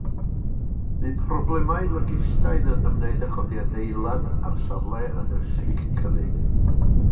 Bu problemau logistaidd yn ymwneud â chodi adeilad ar safle ynysig cyfyng.